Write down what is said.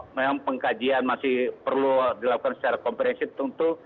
jadi memang pengkajian masih perlu dilakukan secara kompetensi tentu